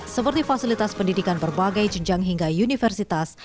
seperti fasilitas pendidikan berbagai jenjang hingga universitas